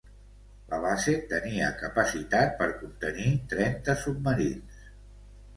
La base tenia capacitat per contenir trenta submarins.